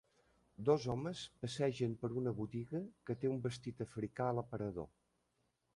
Dos homes passegen per una botiga que té un vestit africà a l'aparador.